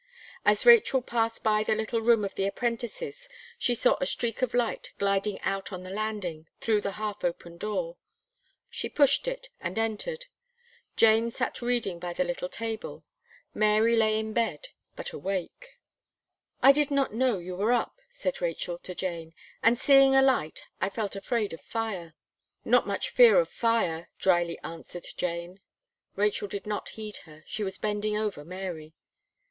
As Rachel passed by the little room of the apprentices, she saw a streak of light gliding out on the landing, through the half open door. She pushed it, and entered. Jane sat reading by the little table; Mary lay in bed, but awake. "I did not know you were up," said Rachel to Jane, "and seeing a light, I felt afraid of fire." "Not much fear of fire," drily answered Jane. Rachel did not heed her she was bending over Mary.